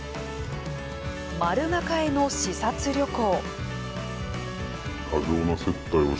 丸抱えの視察旅行。